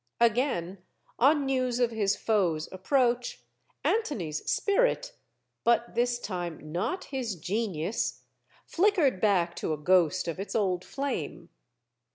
Again, on news of his foes* approach, Antony's spirit but this time not his genius flickered back to a ghost of its old flame.